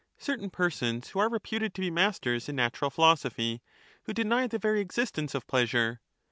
Certain persons who are reputed to be masters in PhiUbus, natural philosophy, who deny the very existence of pleasure.